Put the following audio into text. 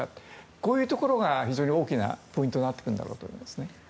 こういうところが非常に大きなポイントになってくるだろうと思います。